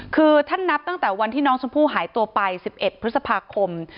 คือท่านนับตั้งแต่วันที่น้องชมพู่หายตัวไป๑๑พฤษภาคม